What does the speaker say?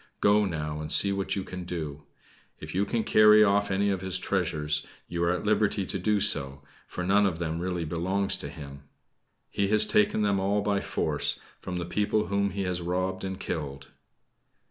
Go now, and see what you can do. If you can carry off any of his treasures you are at liberty to do so for none of them really belongs to him. He has taken them all by force from the people whom he has robbed and killed."